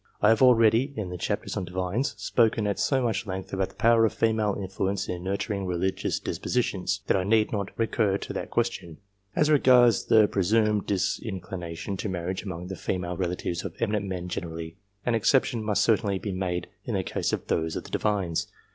I have already, in the chapter on Divines, spoken at so much length about the power of female influence in nurturing religious dispositions, that I need not recur to that question. As regards the presumed disinclination to marriage among the female relatives of eminent men gener ally, an exception must certainly be made in the case of those of the Divines.